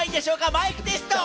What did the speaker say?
マイクテスト！